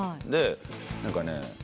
で何かね。